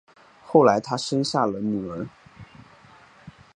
后来他生下了女儿